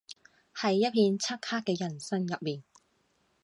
喺一片漆黑嘅人生入面